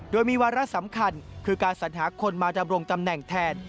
โดยมีวาระสำคัญคือการสัญหาคนมาดำรงตำแหน่งแทน